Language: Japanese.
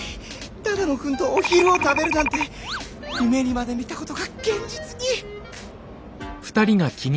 只野くんとお昼を食べるなんて夢にまで見たことが現実に！